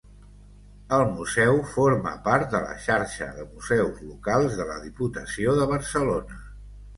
El museu forma part de la Xarxa de Museus Locals de la Diputació de Barcelona.